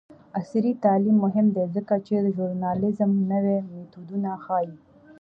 عصري تعلیم مهم دی ځکه چې د ژورنالیزم نوې میتودونه ښيي.